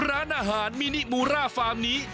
ร้านอาหารมินิมูร่าฟาร์มนี้